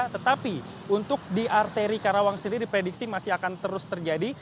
tetapi untuk di arteri karawang sendiri diprediksi masih akan terus terjadi